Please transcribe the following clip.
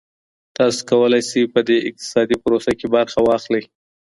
تاسو کولای شئ په دې اقتصادي پروسه کي برخه واخلئ.